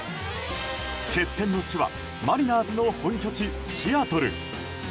決戦の地はマリナーズの本拠地シアトル。